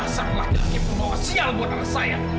dasar laki laki yang membawa sial buat anak saya